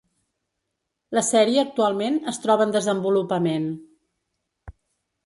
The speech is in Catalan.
La sèrie actualment es troba en desenvolupament.